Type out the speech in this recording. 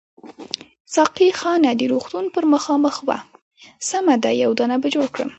ساقي خانه د روغتون پر مخامخ وه، سمه ده یو دانه به جوړ کړم.